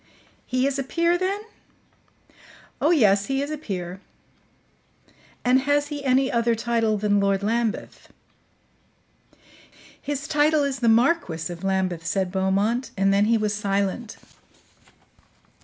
"He is a peer, then?" "Oh, yes, he is a peer." "And has he any other title than Lord Lambeth?" "His title is the Marquis of Lambeth," said Beaumont; and then he was silent.